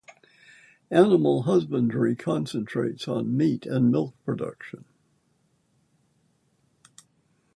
Animal husbandry concentrates on meat and milk production.